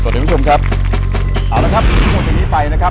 สวัสดีวันชมครับเอาล่ะครับชมนี้ไปนะครับ